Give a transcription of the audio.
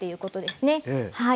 はい。